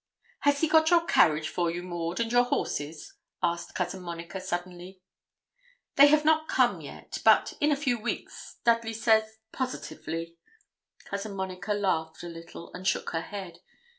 'Has he got your carriage for you, Maud, and your horses?' asked Cousin Monica, suddenly. 'They have not come yet, but in a few weeks, Dudley says, positively ' Cousin Monica laughed a little and shook her head.